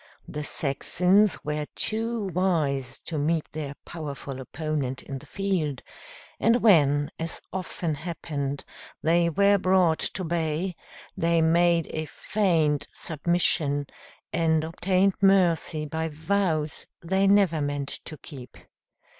The Saxons were too wise to meet their powerful opponent in the field, and when, as often happened, they were brought to bay, they made a feigned submission, and obtained mercy by vows they never meant to keep.